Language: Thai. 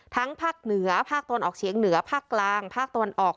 ทั้งภาคเหนือภาคตนออกเชียงเหนือภาคกลางภาคตนออก